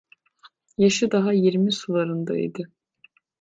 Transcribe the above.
Yaşı daha yirmi sularında idi.